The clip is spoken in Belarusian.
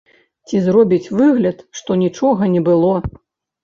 Ці зробіць выгляд, што нічога не было?